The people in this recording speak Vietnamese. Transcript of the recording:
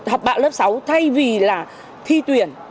học bạ lớp sáu thay vì là thi tuyển